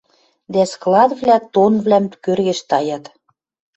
Дӓ складвлӓ тоннвлӓм кӧргеш таят.